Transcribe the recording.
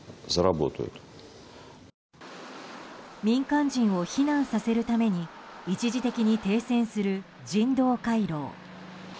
民間人を避難させるために一時的に停戦する人道回廊。